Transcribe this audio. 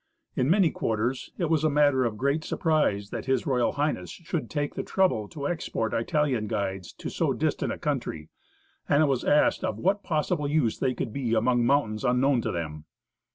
In many quarters it was a matter of great surprise that H.R. H. should take the trouble to export Italian guides to so distant a country, and it was asked of what possible use they could be among mountains unknown to them.